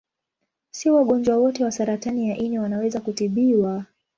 Si wagonjwa wote wa saratani ya ini wanaweza kutibiwa.